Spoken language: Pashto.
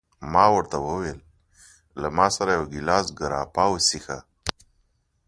ما ورته وویل: له ما سره یو ګیلاس ګراپا وڅښه.